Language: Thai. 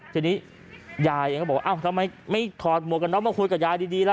ทีนี้ยายเองก็บอกว่าทำไมไม่ถอดหมวกกันน็อกมาคุยกับยายดีล่ะ